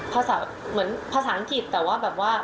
ภาษาเหมือนภาษาอังกฤษแต่ว่าแบบว่า